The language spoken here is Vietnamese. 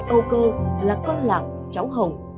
mọc của mẹ âu cơ là con lạc cháu hồng